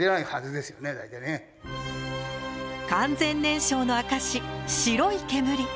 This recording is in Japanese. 完全燃焼の証し白い煙。